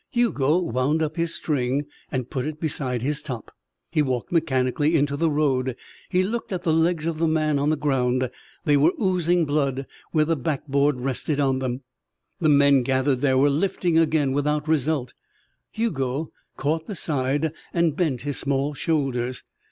Hugo wound up his string and put it beside his top. He walked mechanically into the road. He looked at the legs of the man on the ground. They were oozing blood where the backboard rested on them. The men gathered there were lifting again, without result. Hugo caught the side and bent his small shoulders.